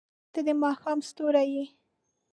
• ته د ماښام ستوری یې.